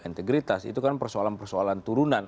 integritas itu kan persoalan persoalan turunan